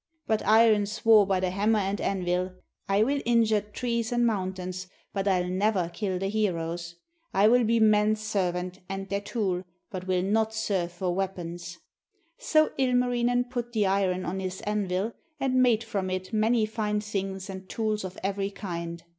But Iron swore by the hammer and anvil, 'I will injure trees and mountains, but I'll never kill the heroes. I will be men's servant and their tool, but will not serve for weapons.' So Ilmarinen put the iron on his anvil, and made from it many fine things and tools of every kind.